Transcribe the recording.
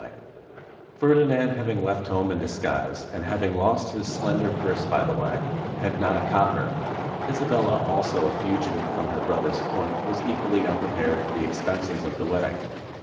Ferdinand, having left home in disguise, and having lost his slender purse by the way, had not a copper. Isa bella also, a fugitive from her brother's court, was equally unprepared for the expenses of the wedding.